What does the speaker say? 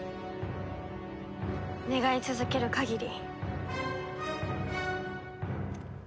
願い続ける限り。